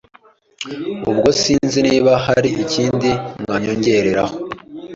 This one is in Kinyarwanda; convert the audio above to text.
ubwo sinzi niba Hari ikindi mwanyongereraho